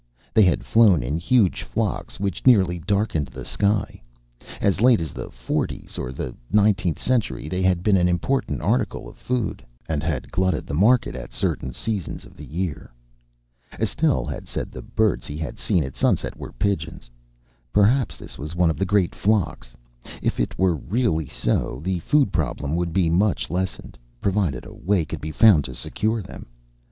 They had flown in huge flocks which nearly darkened the sky. As late as the forties of the nineteenth century they had been an important article of food, and had glutted the market at certain seasons of the year. Estelle had said the birds he had seen at sunset were pigeons. Perhaps this was one of the great flocks. If it were really so, the food problem would be much lessened, provided a way could be found to secure them.